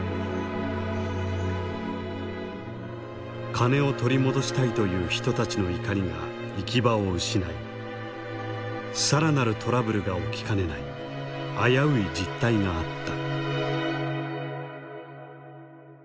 金を取り戻したいという人たちの怒りが行き場を失い更なるトラブルが起きかねない危うい実態があった。